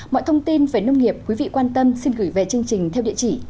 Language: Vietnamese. mọi thông tin về nông nghiệp quý vị quan tâm xin gửi về chương trình theo địa chỉ